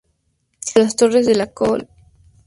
De las Torres de la Col.